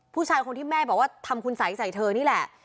ผู้ชายคนที่แม่บอกว่าทำคุณสัยใส่เธอนี่แหละ